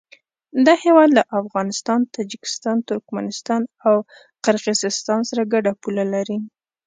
دا هېواد له افغانستان، تاجکستان، ترکمنستان او قرغیزستان سره ګډه پوله لري.